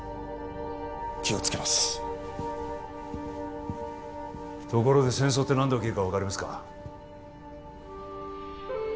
気をつけますところで戦争って何で起きるか分かりますか？